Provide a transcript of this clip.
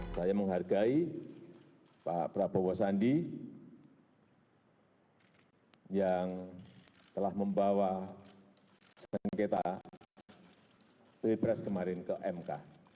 saya menghargai pak prabowo sandi yang telah membawa sengketa pilpres kemarin ke mk